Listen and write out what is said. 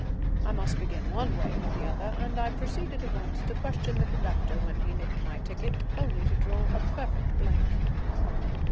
I must begin one way or the other, and I proceeded at once to question the conductor, when he nicked my ticket, only to draw perfectly blank.